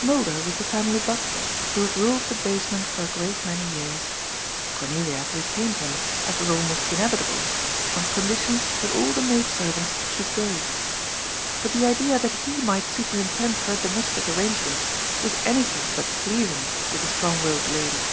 Mulder was the family butler, who had ruled the base ment for a great many years. Cornelia had retained him, as was almost inevitable, on condition that all the maid servants should go. But the idea that he might superintend her domestic arrangements was anything but pleasing to the strong willed lady.